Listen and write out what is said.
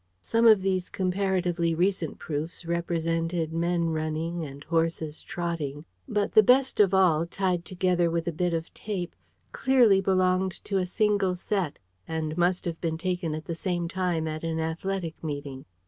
Some of these comparatively recent proofs represented men running and horses trotting: but the best of all, tied together with a bit of tape, clearly belonged to a single set, and must have been taken at the same time at an athletic meeting.